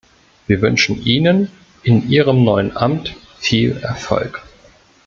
Wir wünschen Ihnen in Ihrem neuen Amt viel Erfolg.